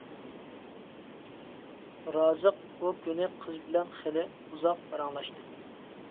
رازىق ئۇ كۈنى قىز بىلەن خىلى ئۇزاق پاراڭلاشتى.